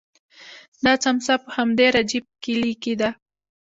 دا څمڅه په همدې رجیب کلي کې ده.